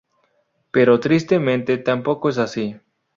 Pero tristemente, tampoco es así.